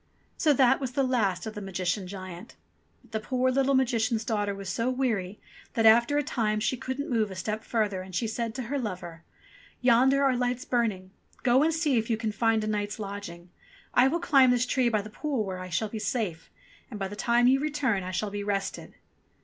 So that was the last of the Magician giant. But the poor little Magician's daughter was so weary that, after a time, she couldn't move a step further, and she said to her lover, ''Yonder are lights burning. Go and see if you can find a night's lodging : I will climb this tree by the pool where I shall be safe, and by the time you return I shall be rested."